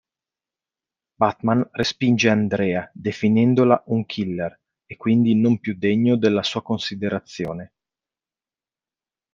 Batman respinge Andrea, definendola un "killer", e quindi non più degno della sua considerazione.